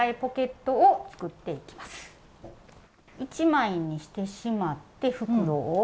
１枚にしてしまって袋を。